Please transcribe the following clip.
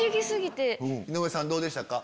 井上さんどうでしたか？